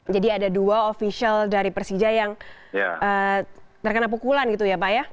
jadi ada dua official dari persija yang terkena pukulan gitu ya pak ya